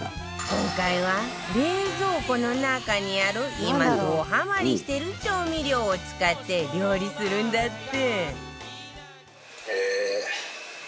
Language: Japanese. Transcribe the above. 今回は冷蔵庫の中にある今どハマりしてる調味料を使って料理するんだって